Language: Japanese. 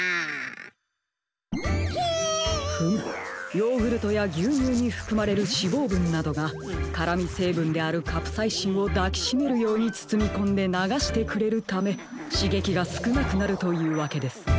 ヨーグルトやぎゅうにゅうにふくまれる脂肪分などが辛みせいぶんであるカプサイシンを抱きしめるようにつつみこんでながしてくれるためしげきがすくなくなるというわけですね。